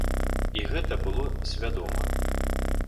І гэта было свядома.